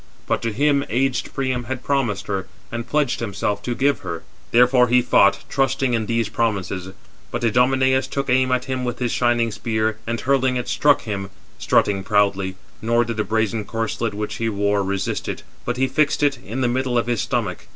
But to him aged Priam had promised her, and pledged himself 424 to give her; therefore he fought, trusting in these promises. But Idomeneus took aim at him with his shining spear, and hurling it, struck him, strutting proudly; nor did the brazen corslet which he wore resist it, but he fixed it in the middle of his stomach.